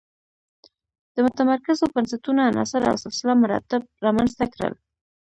د متمرکزو بنسټونو عناصر او سلسله مراتب رامنځته کړل.